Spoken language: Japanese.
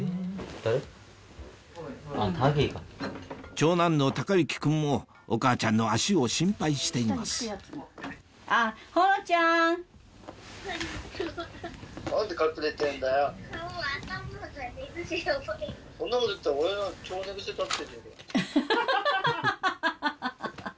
長男の孝之君もお母ちゃんの足を心配していますハハハハ！